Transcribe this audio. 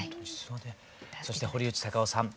そして堀内孝雄さん。